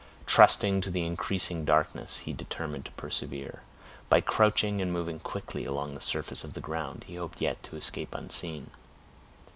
Trusting to the increasing darkness, he determined to persevere. By crouching and moving quickly along the surface of the ground, he hoped yet to escape unseen.